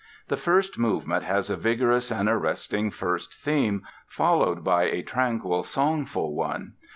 The first movement has a vigorous and arresting first theme, followed by a tranquil, songful one.